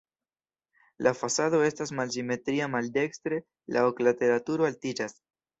La fasado estas malsimetria, maldekstre la oklatera turo altiĝas.